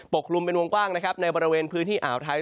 กลุ่มเป็นวงกว้างนะครับในบริเวณพื้นที่อ่าวไทย